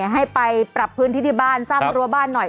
ให้ไปปรับพื้นที่ที่บ้านสร้างรั้วบ้านหน่อย